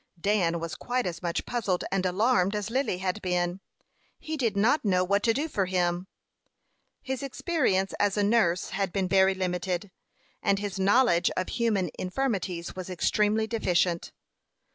Dan was quite as much puzzled and alarmed as Lily had been. He did not know what to do for him. His experience as a nurse had been very limited, and his knowledge of human infirmities was extremely deficient.